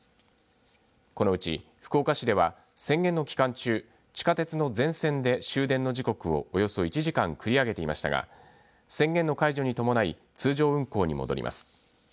このうち福岡市では宣言の期間中、地下鉄の全線で終電の時刻をおよそ１時間繰り上げていましたが宣言の解除に伴い通常運行に戻ります。